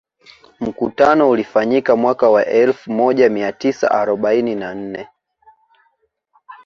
Mkutano ulifanyika mwaka wa elfu moja mia tisa arobaini na nne